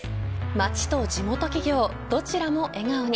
町と地元企業、どちらも笑顔に。